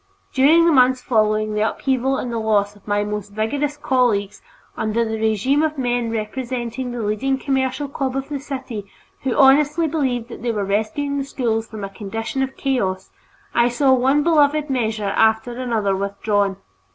During the months following the upheaval and the loss of my most vigorous colleagues, under the regime of men representing the leading Commercial Club of the city who honestly believed that they were rescuing the schools from a condition of chaos, I saw one beloved measure after another withdrawn.